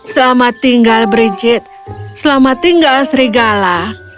selamat tinggal brigit selamat tinggal serigala